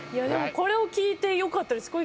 これを聞いてよかったです。